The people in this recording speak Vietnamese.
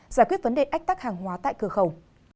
giải quyết vấn đề ách tắc hàng hóa tại cửa khẩu